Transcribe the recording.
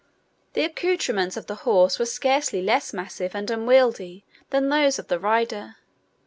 The accoutrements of the horse were scarcely less massive and unwieldy than those of the rider.